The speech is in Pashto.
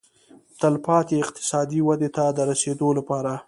تلپاتې اقتصادي ودې ته د رسېدو لپاره.